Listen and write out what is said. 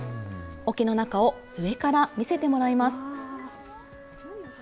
おけの中を上から見せてもらいます。